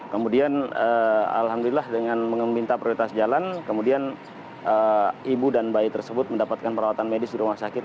kemudian alhamdulillah dengan meminta prioritas jalan kemudian ibu dan bayi tersebut mendapatkan perawatan medis di rumah sakit